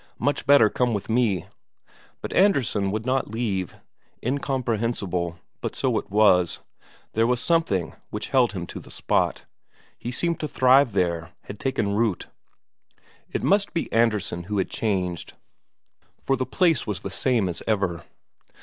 "Much better come with me." But Andresen would not leave; incomprehensible, but so it was, there was something which held him to the spot; he seemed to thrive there, had taken root. It must be Andresen who had changed, for the place was the same as ever.